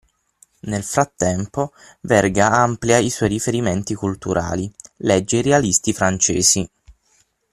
Nel frattempo Verga amplia i suoi riferimenti culturali: legge i realisti francesi.